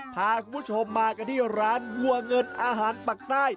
พาคุณผู้ชมมากันที่ร้านวัวเงินอาหารปักใต้